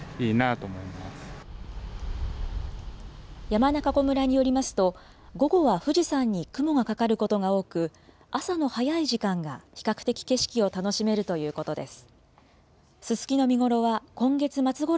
山中湖村によりますと、午後は富士山に雲がかかることが多く、朝の早い時間が、比較的景色を楽しめるということです。